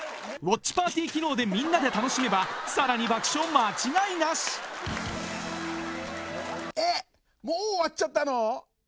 ウォッチパーティ機能でみんなで楽しめばさらに爆笑間違いなしえっもう終わっちゃったの？